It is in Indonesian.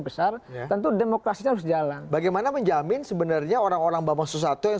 besar tentu demokrasi harus jalan bagaimana menjamin sebenarnya orang orang bamsud yang